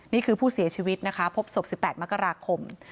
นี่คือผู้เสียชีวิตนะคะพบศพ๑๘มกราคม